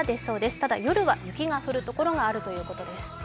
ただ夜は雪が降る所があるということです。